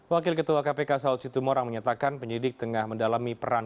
wakil ketua kpk sao citu morang menyatakan penyidik tengah mendalami peran